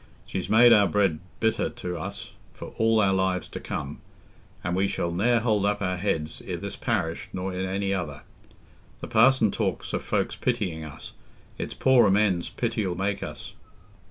She's made our bread bitter to us for all our lives to come, an' we shall ne'er hold up our heads i' this parish nor i' any other. The parson talks o' folks pitying us: it's poor amends pity 'ull make us."